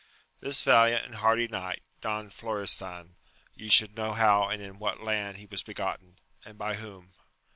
I HIS valia^at and hardy knight, Don Florestan, you should know how and in what land he was begotten, and by whom.